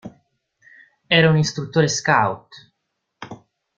Era un istruttore scout.